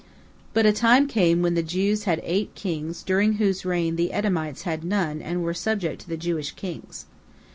But a time came when the Jews had eight kings during whose reign the Edomites had none and were subject to the Jewish kings.